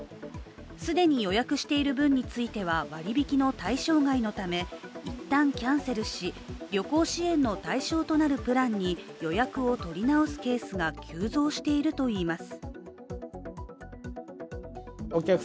既に予約している分については割引の対象外のためいったんキャンセルし、旅行支援の対象となるプランに予約を取り直すケースが急増しているといいます。